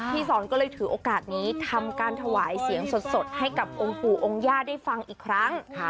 สอนก็เลยถือโอกาสนี้ทำการถวายเสียงสดให้กับองค์ปู่องค์ย่าได้ฟังอีกครั้ง